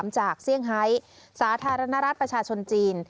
จากเซี่ยงไฮสาธารณรัฐประชาชนจีน